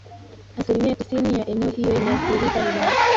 asilimia tisini ya eneo hiyo imeathirika vibaya